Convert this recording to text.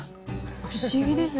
不思議です。